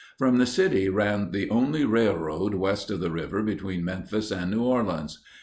From the city ran the only railroad west of the river between Memphis and New Orleans.